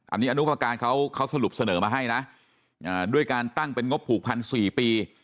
อันนี้อนุประการเขาสรุปเสนอมาให้นะด้วยการตั้งเป็นงบผูกพัน๔ปี